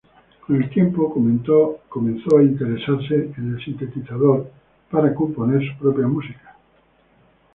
Con el tiempo comento a interesarse en el sintetizador para componer su propia música.